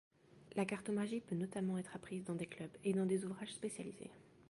La cartomagie peut notamment être apprise dans des clubs et dans des ouvrages spécialisés.